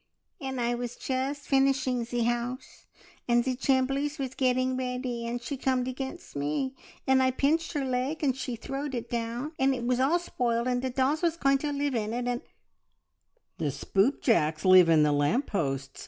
"An' I was jest finishin' ze house, and ze chimbleys was getting ready, and she comed against me, an' I pinched her leg, and she throwed it down, an' it was all spoiled, an' the dolls was going to live in it, an' " "The Spoopjacks live in the lamp posts.